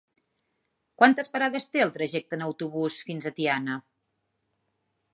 Quantes parades té el trajecte en autobús fins a Tiana?